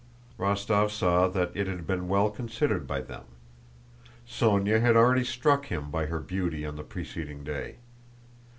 Rostóv saw that it had been well considered by them. Sónya had already struck him by her beauty on the preceding day.